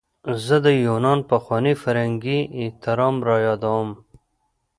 زه د یونان پخوانی فرهنګي احترام رایادوم.